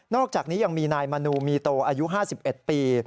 อกจากนี้ยังมีนายมนูมีโตอายุ๕๑ปี